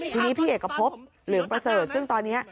ทีนี้พี่เอกพบเหลืองประเสริฐซึ่งตอนนี้